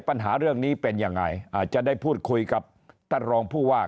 ปัญหาเรื่องนี้เป็นยังไงอาจจะได้พูดคุยกับท่านรองผู้ว่า